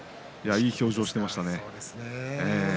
いい表情してましたね。